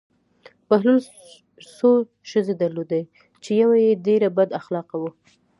بهلول څو ښځې درلودې چې یوه یې ډېره بد اخلاقه وه.